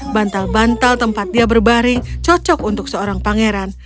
bantal bantal tempat dia berbaring cocok untuk seorang pangeran